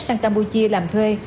sang campuchia làm thuê